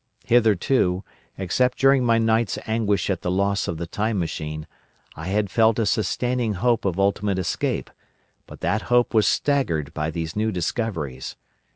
Hitherto, except during my night's anguish at the loss of the Time Machine, I had felt a sustaining hope of ultimate escape, but that hope was staggered by these new discoveries.